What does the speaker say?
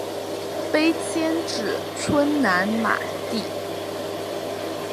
碑迁址村南马地。